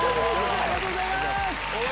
ありがとうございます！